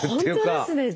本当ですね！